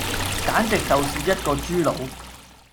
簡直就是一個豬腦